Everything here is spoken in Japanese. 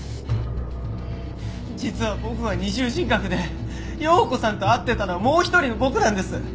実は僕は二重人格で葉子さんと会ってたのはもう一人の僕なんです。